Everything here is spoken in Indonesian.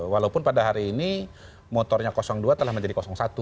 walaupun pada hari ini motornya dua telah menjadi satu